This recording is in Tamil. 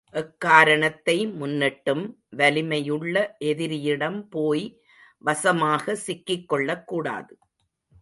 எக்காரணத்தை முன்னிட்டும், வலிமையுள்ள எதிரியிடம் போய் வசமாக சிக்கிக்கொள்ளக்கூடாது.